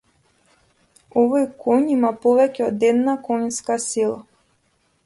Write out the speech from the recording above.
Овој коњ има повеќе од една коњска сила.